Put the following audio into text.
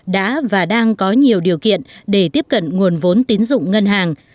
đã và đang có nhiều điều kiện để tiếp cận nguồn vốn tín dụng ngân hàng